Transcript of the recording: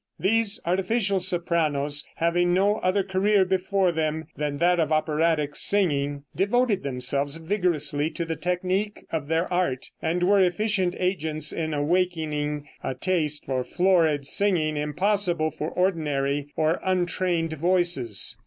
These artificial sopranos, having no other career before them than that of operatic singing, devoted themselves vigorously to the technique of their art, and were efficient agents in awakening a taste for florid singing impossible for ordinary or untrained voices.